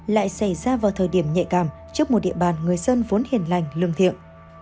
lại xảy ra vào thời điểm nhạy cảm trước một địa bàn người dân vốn hiền lành lương thiện